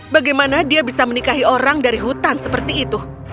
bagaimana dia bisa menikahi orang dari hutan seperti itu